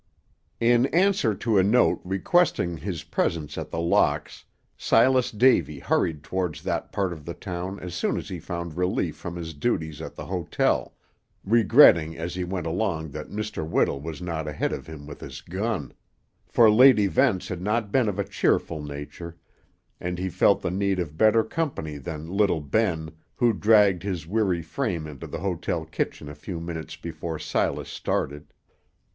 In answer to a note requesting his presence at The Locks, Silas Davy hurried towards that part of the town as soon as he found relief from his duties at the hotel, regretting as he went along that Mr. Whittle was not ahead of him with his gun, for late events had not been of a cheerful nature, and he felt the need of better company than little Ben, who dragged his weary frame into the hotel kitchen a few minutes before Silas started.